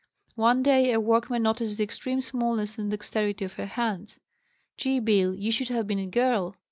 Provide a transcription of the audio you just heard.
One day a workman noticed the extreme smallness and dexterity of her hands. "Gee, Bill, you should have been a girl."